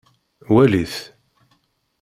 Walit.